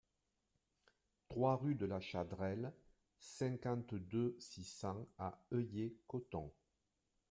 trois rue de la Chadrelle, cinquante-deux, six cents à Heuilley-Cotton